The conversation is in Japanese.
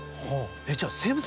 じゃあ。